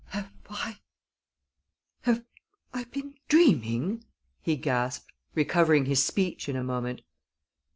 "Have I have I been dreaming?" he gasped, recovering his speech in a moment.